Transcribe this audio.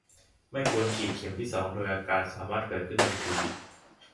ไม่ควรฉีดเข็มที่ สอง โดยอาการสามารถเกิดขึ้นทันที